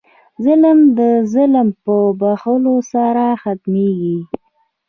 ظلم د ظلم په بښلو سره ختمېږي.